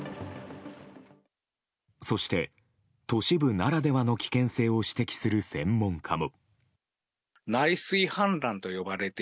そして、都市部ならでは危険性を指摘する専門家も。